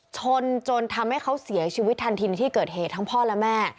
ชนจนทำให้เขาเสียชีวิตทันทีในที่เกิดเหตุทั้งพ่อและแม่